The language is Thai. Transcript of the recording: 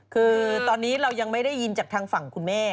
คือตอนนี้เรายังไม่ได้ยินจากทางฝั่งคุณแม่